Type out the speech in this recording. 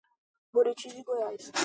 Buriti de Goiás